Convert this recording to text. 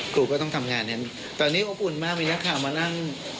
ครูก็ต้องทำงานนั้นตอนนี้อบอุ่นมากมีนักข่าวมานั่ง